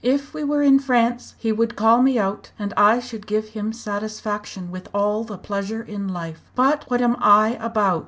If we were in France he would call me out and I should give him satisfaction with all the pleasure in life. But what am I about?